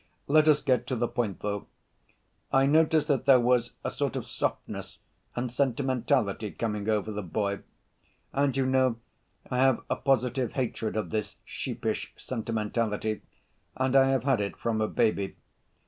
Let us get to the point, though. I noticed that there was a sort of softness and sentimentality coming over the boy, and you know I have a positive hatred of this sheepish sentimentality, and I have had it from a baby.